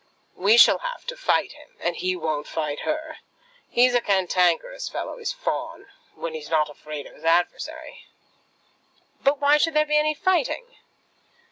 We shall have to fight him, and he won't fight her. He's a cantankerous fellow, is Fawn, when he's not afraid of his adversary." "But why should there be any fighting?"